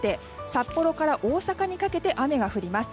札幌から大阪にかけて雨が降ります。